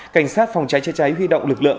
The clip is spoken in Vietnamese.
cảnh sát phòng cháy chữa cháy huy động lực lượng